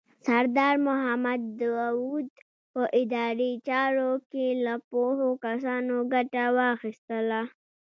سردار محمد داود په اداري چارو کې له پوهو کسانو ګټه واخیستله.